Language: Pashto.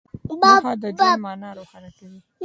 موخه د ژوند مانا روښانه کوي.